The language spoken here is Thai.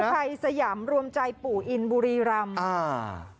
กู้ภัยสยำรวมใจปู่อินบุรีรำ